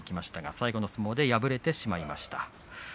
最後の相撲で敗れてしまいました。